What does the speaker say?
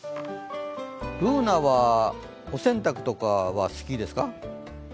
Ｂｏｏｎａはお洗濯とかは好きですか？